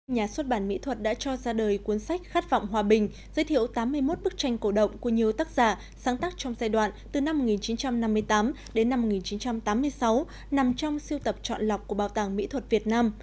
nhà xuất bản mỹ thuật đã cho ra đời cuốn sách khát vọng hòa bình giới thiệu tám mươi một bức tranh cổ động của nhiều tác giả sáng tác trong giai đoạn từ năm một nghìn chín trăm năm mươi tám đến năm một nghìn chín trăm tám mươi sáu nằm trong siêu tập chọn lọc của bảo tàng mỹ thuật việt nam